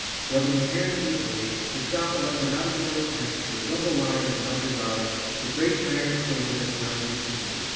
I Rubbing his hands gleefully, Mustafa led them out of the royal tent, through a double line of the Mudger Guard, to the great iron enclosure that surrounded his kingdom.